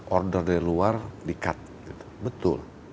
order dari luar di cut betul